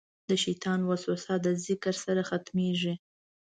د شیطان وسوسه د ذکر سره ختمېږي.